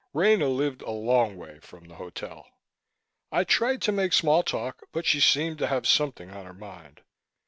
Rena lived a long way from the hotel. I tried to make small talk, but she seemed to have something on her mind.